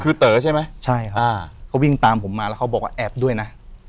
คือเต๋อใช่ไหมใช่ครับอ่าก็วิ่งตามผมมาแล้วเขาบอกว่าแอบด้วยนะ